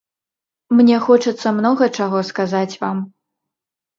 Мне хочацца многа чаго сказаць вам.